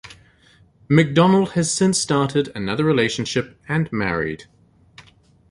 MacDonald has since started another relationship and married.